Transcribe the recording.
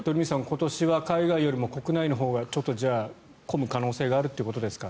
ここは海外よりも国内のほうがちょっと混む可能性があるということですか。